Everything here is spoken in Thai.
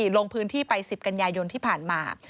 ลงพื้นที่ไป๑๐กันยายนที่ผ่านมา